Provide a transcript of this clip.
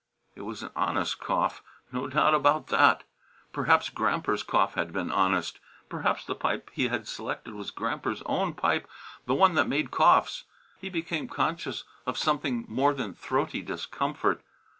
It was an honest cough; no doubt about that. Perhaps Gramper's cough had been honest. Perhaps the pipe he had selected was Gramper's own pipe, the one that made coughs. He became conscious of something more than throaty discomfort.